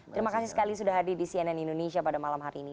terima kasih sekali sudah hadir di cnn indonesia pada malam hari ini